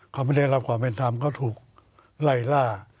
เขาไม่ได้รับความเป็นธรรมเขาถูกไล่ล่า